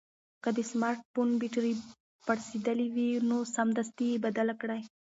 که د سمارټ فون بېټرۍ پړسېدلې وي نو سمدستي یې بدل کړئ.